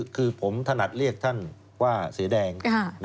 คือผมถนัดเรียกท่านว่าเสือแดง